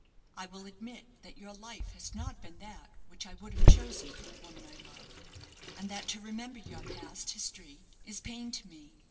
I will admit that your life has not been that which I would have chosen for the woman I love; and that to remember your past history is pain to me.